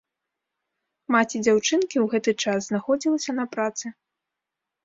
Маці дзяўчынкі ў гэты час знаходзілася на працы.